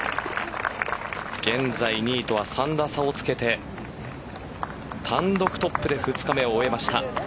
現在、２位とは３打差をつけて単独トップで２日目を終えました。